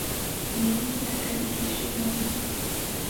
没一家敢提续航力